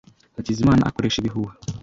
Hakizimana akoresha ibihuha.